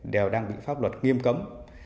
đều đang bị pháp luật nghiêm cấm